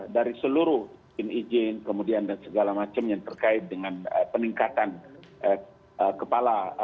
dari seluruh izin izin kemudian dan segala macam yang terkait dengan peningkatan kepala